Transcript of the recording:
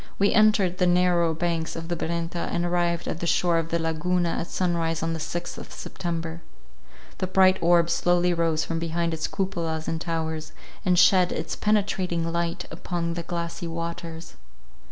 We entered the narrower banks of the Brenta, and arrived at the shore of the Laguna at sunrise on the sixth of September. The bright orb slowly rose from behind its cupolas and towers, and shed its penetrating light upon the glassy waters.